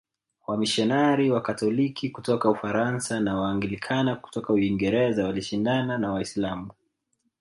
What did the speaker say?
Wamisionari Wakatoliki kutoka Ufaransa na Waanglikana kutoka Uingereza walishindana na Waislamu